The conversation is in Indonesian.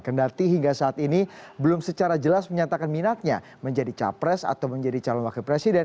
kendati hingga saat ini belum secara jelas menyatakan minatnya menjadi capres atau menjadi calon wakil presiden